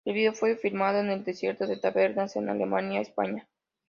El video fue filmado en el desierto de Tabernas, en Almería, España.